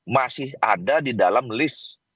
masih ada di dalam list